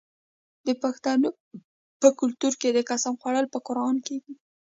د پښتنو په کلتور کې د قسم خوړل په قران کیږي.